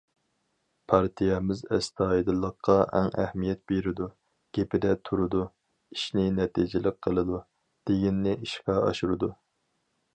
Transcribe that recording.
پارتىيەمىز ئەستايىدىللىققا ئەڭ ئەھمىيەت بېرىدۇ، گېپىدە تۇرىدۇ، ئىشنى نەتىجىلىك قىلىدۇ، دېگىنىنى ئىشقا ئاشۇرىدۇ.